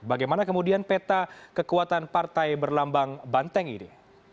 bagaimana kemudian peta kekuatan partai berlambang banteng ini